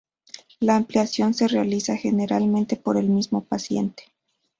La aplicación se realiza generalmente por el mismo paciente.